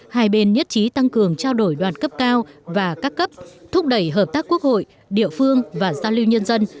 hai bên nhất trí tăng cường trao đổi đoàn cấp cao và các cấp thúc đẩy hợp tác quốc hội địa phương và giao lưu nhân dân